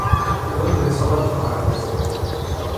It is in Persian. خدا به حسابت خواهد رسید!